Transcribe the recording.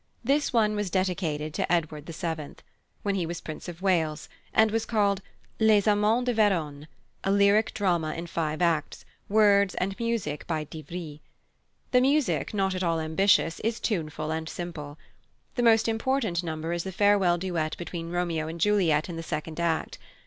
This one was dedicated to Edward VII. when he was Prince of Wales, and was called Les Amants de Verone, a lyric drama in five acts, words and music by d'Ivry. The music, not at all ambitious, is tuneful and simple. The most important number is the farewell duet between Romeo and Juliet in the second act.